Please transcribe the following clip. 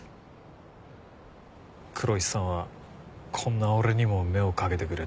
黒石さんはこんな俺にも目をかけてくれて。